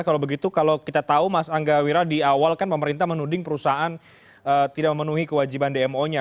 kalau begitu kalau kita tahu mas angga wira di awal kan pemerintah menuding perusahaan tidak memenuhi kewajiban dmo nya